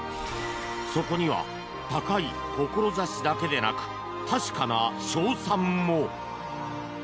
そこには高い志だけでなく確かな勝算も。